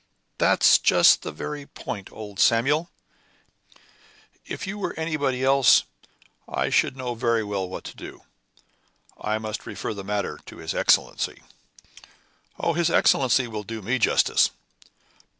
"That's just the very point, old Samuel; if you were anybody else, I should know very well what to do. I must refer the matter to his Excellency." "Oh, his Excellency will do me justice."